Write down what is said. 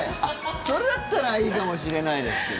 それだったらいいかもしれないですけど。